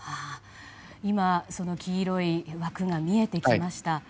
今、黄色い枠が見えてきました。